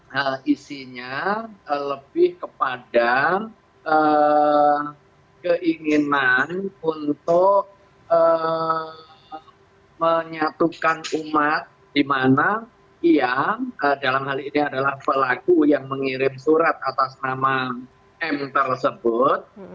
hal isinya lebih kepada keinginan untuk menyatukan umat di mana ia dalam hal ini adalah pelaku yang mengirim surat atas nama m tersebut